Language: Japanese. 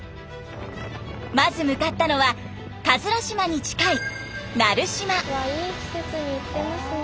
まず向かったのは島に近い奈留島。